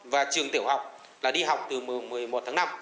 và trường tiểu học là đi học từ mùng một mươi một tháng năm